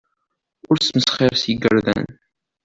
Ur smesxir s yigerdan.